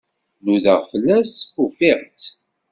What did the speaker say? Nudaɣ fell-as, ufiɣ-itt.